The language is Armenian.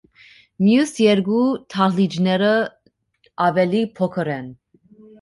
Մյուս երկու դահլիճները ավելի փոքր են։